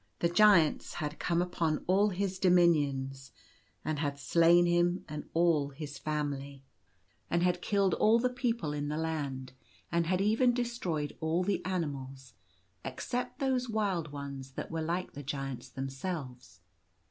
The Giants had come upon his dominions and had slain him and all his family, and had killed all the people in the land, and had even destroyed all the animals, except those wild ones that were like the Giants themselves.